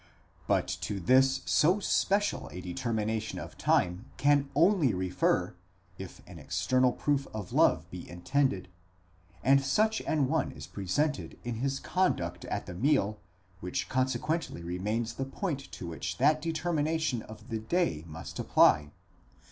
but to this so special a determination of time can only refer, if an external proof of love be intended, and such an one is pre _ sented in his conduct at the meal, which consequently remains the point to which that determination of the day must apply.